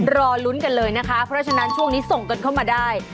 รอลุ้นกันเลยนะคะเพราะฉะนั้นช่วงนี้ส่งกันเข้ามาได้